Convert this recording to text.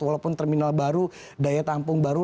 walaupun terminal baru daya tampung baru